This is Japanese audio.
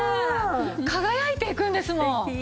輝いていくんですもん！